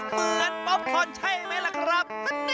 เหมือนป๊อปคอนใช่ไหมล่ะครับ